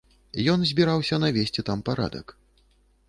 Ён збіраўся навесці там парадак.